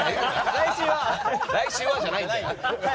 来週はじゃないんだよ。